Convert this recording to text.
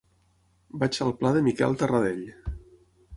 Vaig al pla de Miquel Tarradell.